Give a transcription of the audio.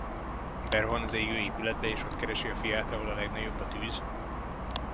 Berohan az égő épületbe, és ott keresi a fiát, ahol a legnagyobb a tűz?